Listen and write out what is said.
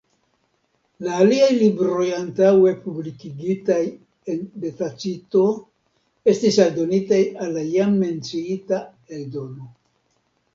La aliaj libroj antaŭe publikigitaj de Tacito estis aldonitaj al la jam menciita eldono.